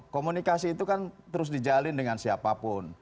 komunikasi itu kan terus dijalin dengan siapapun